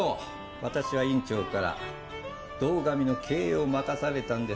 私は院長から堂上の経営を任されたんです。